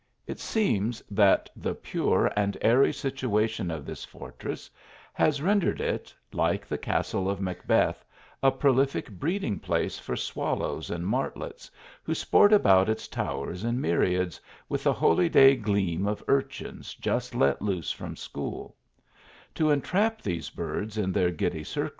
It seems that the pure and airy situation of this fortress has rendered it, like the castle of Macbeth, a prolific breeding place for swallows and martlets who sport about its towers in myriads, with t 3 holyday glee of urchins just let loose from school Tor entrap these birds in their giddy cirr.